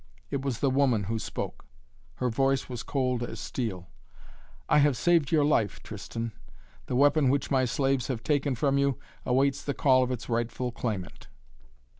It was the woman who spoke. Her voice was cold as steel. "I have saved your life, Tristan! The weapon which my slaves have taken from you awaits the call of its rightful claimant."